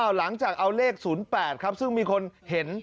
หลังจากเอาเลข๐๘ครับซึ่งมีคนเห็น